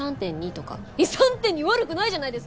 ３．２悪くないじゃないですか！